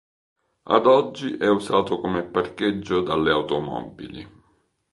Ad oggi è usato come parcheggio dalle automobili.